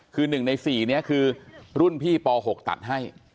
คือหนึ่งในสี่นี่คือรุ่นพี่ป๖ตัดให้